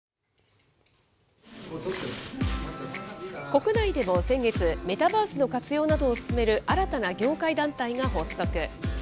国内でも先月、メタバースの活用などを進める新たな業界団体が発足。